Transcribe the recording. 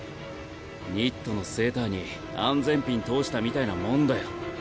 ニットのセーターに安全ピン通したみたいなもんだよ。